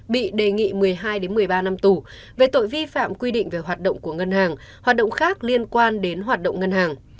bị đề nghị một mươi hai một mươi ba năm tù về tội vi phạm quy định về hoạt động của ngân hàng hoạt động khác liên quan đến hoạt động ngân hàng